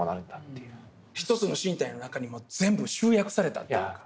一つの身体の中にもう全部集約されたというか。